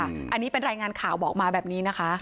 อันนี้เป็นรายงานข่าวบอกมาแบบนี้นะคะ